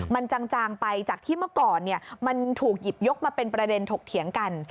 มันจางไปจากที่เมื่อก่อนมันถูกหยิบยกมาเป็นประเด็นถกเถียงกัน